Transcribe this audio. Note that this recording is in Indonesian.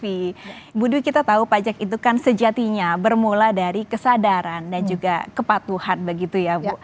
ibu dwi kita tahu pajak itu kan sejatinya bermula dari kesadaran dan juga kepatuhan begitu ya bu